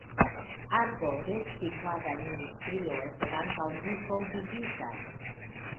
Arbo-reciklada industrio estas ankaŭ disvolvigita.